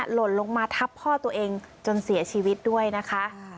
หล่นลงมาทับพ่อตัวเองจนเสียชีวิตด้วยนะคะ